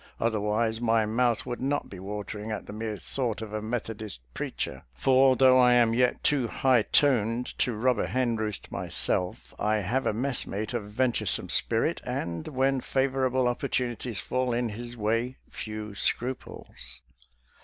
Otherwise, my mouth would not be watering at the mere thought of a Methodist preacher, for, though I am yet too high toned to rob a hen roost myself, I have a messmate of venturesome spirit, and, when favorable opportunities fall in his way, few scruples.